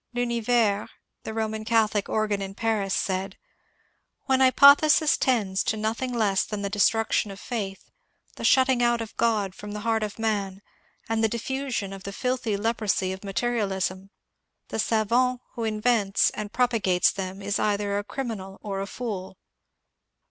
*^ L'Uniyers/' the Eoman Catholic organ in Paris, said, '^ When hypothesis tends to nothing less than the destruction of faith, the shutting out of God from the heart of man, and the diffusion of the filthy leprosy of Materialism, the savant who invents and propa gates them is either a criminal or a fool.